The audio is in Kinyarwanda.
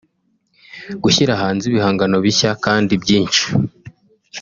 Gushyira hanze ibihangano bishya kandi byinshi